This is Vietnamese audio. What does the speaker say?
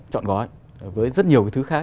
chọn gói với rất nhiều thứ khác